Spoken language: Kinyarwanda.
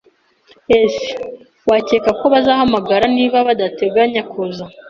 [S] Wakeka ko bazahamagara niba badateganya kuza.